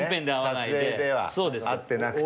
撮影では会ってなくて。